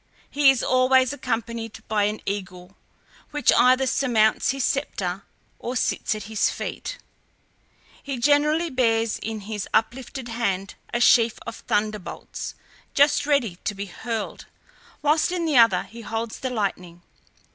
He is always accompanied by an eagle, which either surmounts his sceptre, or sits at his feet; he generally bears in his uplifted hand a sheaf of thunder bolts, just ready to be hurled, whilst in the other he holds the lightning.